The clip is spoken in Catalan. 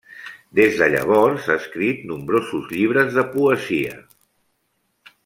Des de llavors, ha escrit nombrosos llibres de poesia.